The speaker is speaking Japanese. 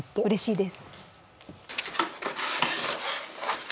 うれしいです。